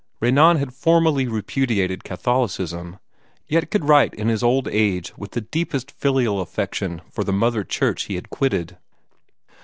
Renan had formally repudiated Catholicism, yet could write in his old age with the deepest filial affection of the Mother Church he had quitted.